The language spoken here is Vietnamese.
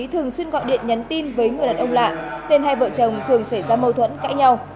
thường xuyên gọi điện nhắn tin với người đàn ông lạ nên hai vợ chồng thường xảy ra mâu thuẫn cãi nhau